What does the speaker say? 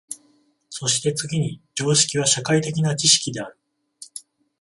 そして次に常識は社会的な知識である。